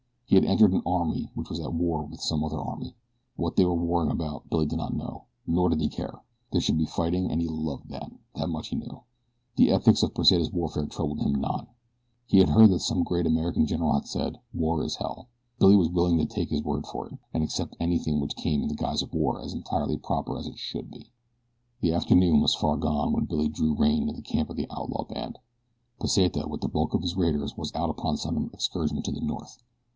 He had entered an army which was at war with some other army. What they were warring about Billy knew not, nor did he care. There should be fighting and he loved that that much he knew. The ethics of Pesita's warfare troubled him not. He had heard that some great American general had said: "War is hell." Billy was willing to take his word for it, and accept anything which came in the guise of war as entirely proper and as it should be. The afternoon was far gone when Billy drew rein in the camp of the outlaw band. Pesita with the bulk of his raiders was out upon some excursion to the north.